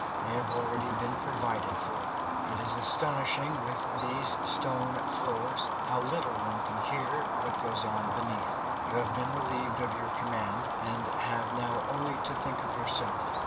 They have already been provided for. It is astonishing with these stone floors how little one can hear what goes on beneath. You have been relieved of your command, and have now only to think of yourself.